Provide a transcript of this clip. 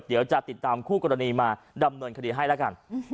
เดี๋ยวจะติดตามคู่กรณีมาดำเนินคดีให้แล้วกัน